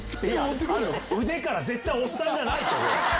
腕から絶対おっさんじゃないって！